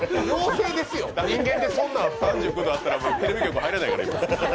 人間でそんな３９度あったら、テレビ局入れないから。